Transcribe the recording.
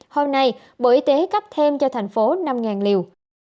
hôm nay bộ y tế cấp thêm cho tp hcm năm liều